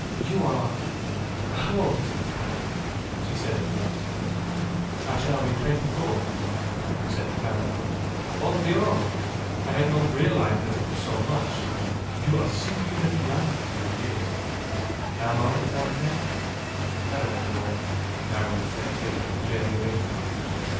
"You are how old is it, Karen?" she said at last. "I shall be twenty four in March," said Karen. "Bon Dieu! I had not realised that it was so much; you are singularly young for your years." "Am I, Tante? I don't know," Karen reflected, genially.